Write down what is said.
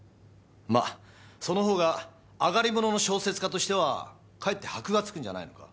まあそのほうがあがりものの小説家としてはかえって箔がつくんじゃないのか？